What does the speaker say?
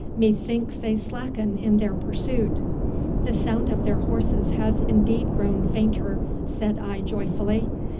Methinks they slacken in their pursuit.' 'The sound of their horses has indeed grown fainter,' said I joyfully.